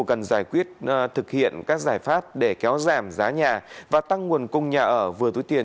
cần giải quyết thực hiện các giải pháp để kéo giảm giá nhà và tăng nguồn cung nhà ở vừa túi tiền